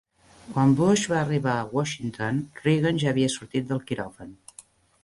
Quan Bush va arribar a Washington, Reagan ja havia sortit del quiròfan.